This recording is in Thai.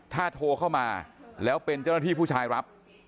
ถ้าโทรเข้ามาแล้วเป็นเจ้าหน้าที่ผู้ชายรับ